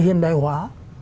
hiền đại hóa